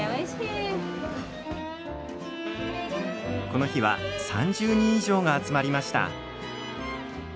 この日は３０人以上が集まりました。